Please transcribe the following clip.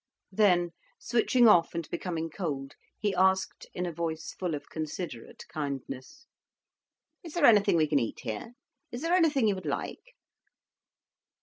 Then, switching off and becoming cold, he asked, in a voice full of considerate kindness: "Is there anything we can eat here? Is there anything you would like?"